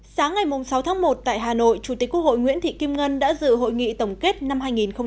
sáng ngày sáu tháng một tại hà nội chủ tịch quốc hội nguyễn thị kim ngân đã dự hội nghị tổng kết năm hai nghìn một mươi chín